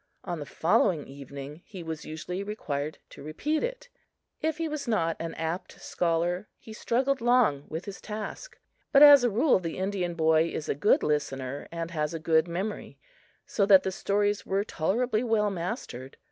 On the following evening, he was usually required to repeat it. If he was not an apt scholar, he struggled long with his task; but, as a rule, the Indian boy is a good listener and has a good memory, so that the stories were tolerably well mastered.